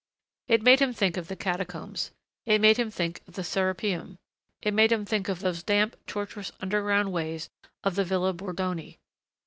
It made him think of the Catacombs. It made him think of the Serapeum. It made him think of those damp, tortuous underground ways of the Villa Bordoni....